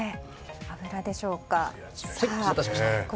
脂でしょうか。